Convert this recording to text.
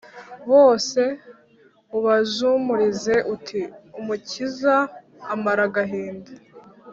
Bose ubajumurize uti umukiza amara agahinda